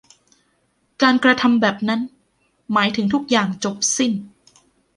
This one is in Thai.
การกระทำแบบนั้นหมายถึงทุกอย่างจบสิ้น